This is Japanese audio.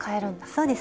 そうです。